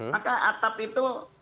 maka atap itu